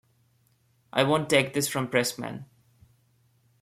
I won't take this from Pressman.